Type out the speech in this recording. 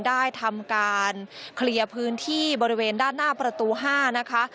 ได้ทำการเคลียร์พื้นที่บริเวณด้านหน้าประตู๕นะคะ